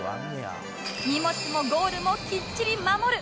荷物もゴールもきっちり守る！